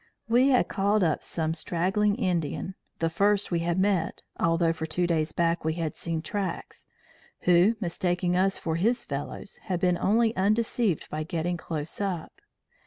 We had called up some straggling Indian the first we had met, although for two days back we had seen tracks who, mistaking us for his fellows, had been only undeceived by getting close up.